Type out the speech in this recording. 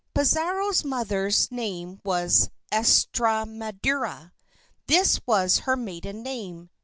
Pizarro's mother's name was Estramadura. This was her maiden name.